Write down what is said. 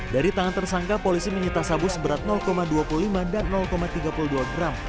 dari tangan tersangka polisi menyita sabu seberat dua puluh lima dan tiga puluh dua gram